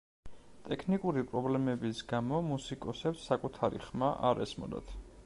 ტექნიკური პრობლემების გამო მუსიკოსებს საკუთარი ხმა არ ესმოდათ.